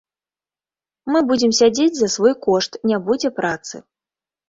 Мы будзем сядзець за свой кошт, не будзе працы.